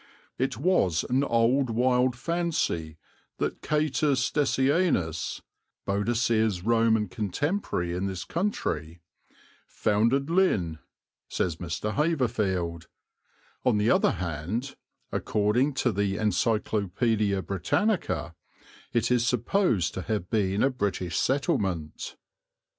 "It was an old wild fancy that Catus Decianus," Boadicea's Roman contemporary in this country, "founded Lynn," says Mr. Haverfield; on the other hand, according to the Encyclopædia Britannica, it is supposed to have been a British settlement.